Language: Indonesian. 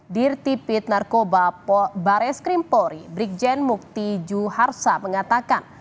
dirtipit narkoba bareskrimpori brikjen mukti juharsa mengatakan